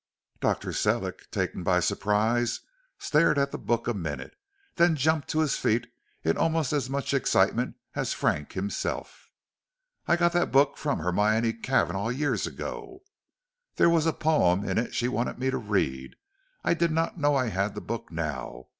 Dr. Sellick, taken by surprise, stared at the book a minute, then jumped to his feet in almost as much excitement as Frank himself. "I got that book from Hermione Cavanagh years ago; there was a poem in it she wanted me to read. I did not know I had the book now.